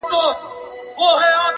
سم لكه ماهى يو سمندر تر ملا تړلى يم ـ